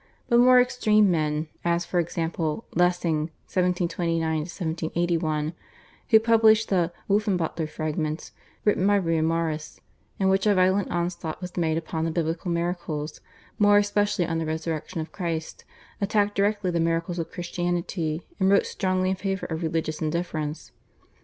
But more extreme men, as for example, Lessing (1729 1781), who published the /Wolfenbuttler Fragments/ written by Reimarus in which a violent onslaught was made upon the Biblical miracles more especially on the Resurrection of Christ, attacked directly the miracles of Christianity, and wrote strongly in favour of religious indifference.